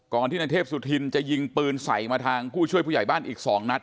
ที่นายเทพสุธินจะยิงปืนใส่มาทางผู้ช่วยผู้ใหญ่บ้านอีก๒นัด